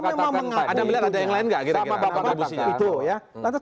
kalau memang mengaku itu